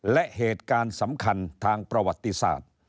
และเหตุการณ์สำคัญทางประวัติศาสตร์